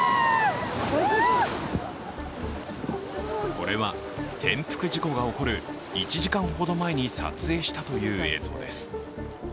これは転覆事故が起こる１時間ほど前に撮影したという映像です。